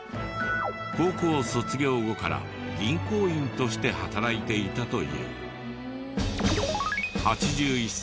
高校卒業後から銀行員として働いていたという。